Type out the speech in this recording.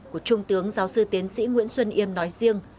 của trung tướng giáo sư tiến sĩ nguyễn xuân yêm nói riêng